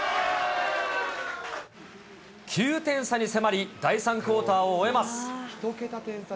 ９点差に迫り、第３クオーターを終えます。